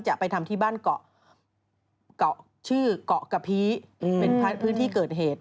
จะไปทำที่บ้านเกาะเกาะชื่อเกาะกะพีเป็นพื้นที่เกิดเหตุ